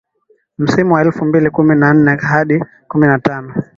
Msimu wa elfu mbili kumi na nne hadi kumi na tano